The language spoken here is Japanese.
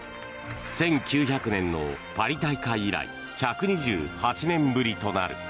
１９００年のパリ大会以来１２８年ぶりとなる。